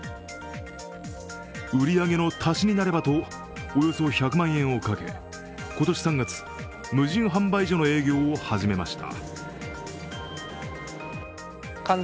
売り上げの足しになればと、およそ１００万円をかけ、今年３月、無人販売所の営業を始めました。